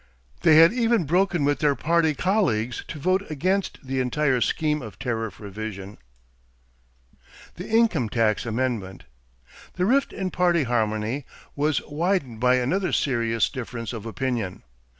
They had even broken with their party colleagues to vote against the entire scheme of tariff revision. =The Income Tax Amendment.= The rift in party harmony was widened by another serious difference of opinion.